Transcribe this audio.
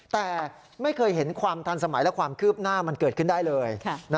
แต่ไม่เคยเห็นความทันสมัยและความคืบหน้ามันเกิดขึ้นได้เลย